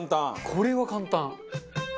これは簡単。